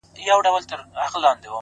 د جنت د حورو ميري، جنت ټول درته لوگی سه،